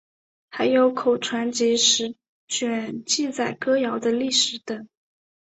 还有口传集十卷记载歌谣的历史等。